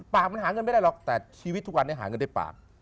ปากมันหาเงินไม่ได้หรอกแต่ชีวิตทุกวันนี้หาเงินได้ปาก